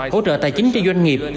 hỗ trợ tài chính cho doanh nghiệp